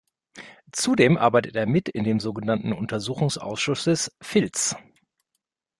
Zudem arbeitet er mit in dem sogenannten Untersuchungsausschusses „Filz“.